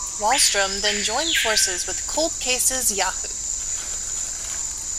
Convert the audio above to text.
Wahlstrom then joined forces with the Cold Cases Yahoo!